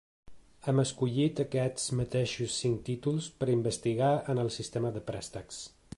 Hem escollit aquests mateixos cinc títols per a investigar en el sistema de préstecs.